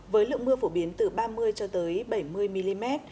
với lượng mưa phổ biến từ ba mươi cho tới bảy mươi mm